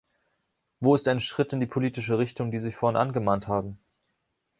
Wo ist ein Schritt in die politische Richtung, die Sie vorhin angemahnt haben?